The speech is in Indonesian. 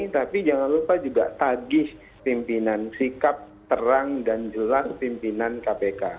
tapi jangan lupa juga tagih pimpinan sikap terang dan jelas pimpinan kpk